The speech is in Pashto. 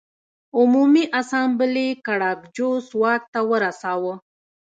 عمومي اسامبلې ګراکچوس واک ته ورساوه